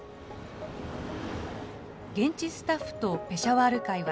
現地スタッフとペシャワール会は、